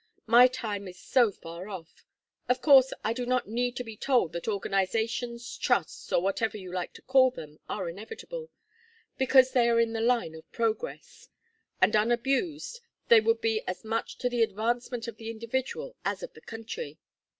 My time is so far off. Of course I do not need to be told that organizations, trusts, or whatever you like to call them, are inevitable because they are in the line of progress; and unabused, they would be as much to the advancement of the individual as of the country.